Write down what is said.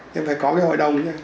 nhưng phải có cái hội đồng thi tuyển